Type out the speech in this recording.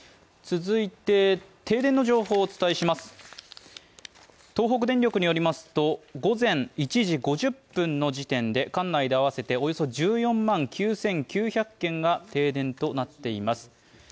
続いて、停電の情報をお伝えします東北電力によりますと、午前１時５０分の時点で管内で合わせておよそ１４万９９００軒が停電となっています。